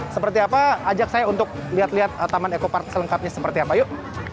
seperti apa ajak saya untuk lihat lihat taman ekopartis selengkapnya seperti apa yuk